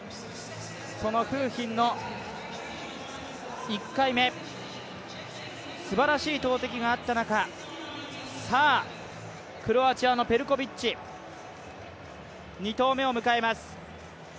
その馮彬の１回目、すばらしい投てきがあった中クロアチアのペルコビッチ２投目を迎えます。